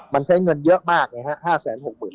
มันใช้เงินเยอะมากเนี่ย